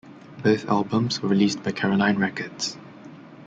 Both albums were released by Caroline Records.